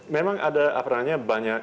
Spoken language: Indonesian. memang ada banyak